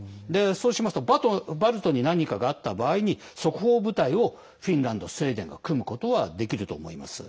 そうしますとバルトに何かがあった場合に即応部隊をフィンランド、スウェーデンが組むことはできると思います。